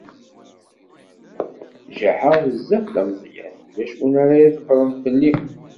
Jaḥeɣ bezzaf d ameẓyan, ulac win ara idebbṛen fell-i.